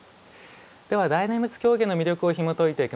では大念仏狂言の魅力をひもといていく